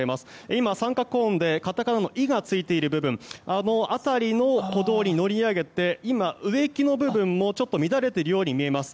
今、三角コーンでカタカナの「イ」がついている辺りあの辺りの歩道に乗り上げて植木の部分もちょっと乱れているように見えます。